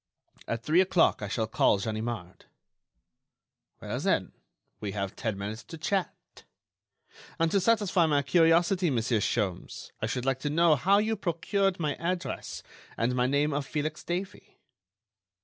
At three o'clock I shall call Ganimard." "Well, then, we have ten minutes to chat. And to satisfy my curiosity, Monsieur Sholmes, I should like to know how you procured my address and my name of Felix Davey?"